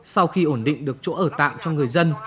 sau khi ổn định được chỗ ở tạm cho người dân